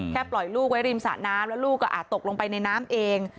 ปล่อยลูกไว้ริมสระน้ำแล้วลูกก็อาจตกลงไปในน้ำเอง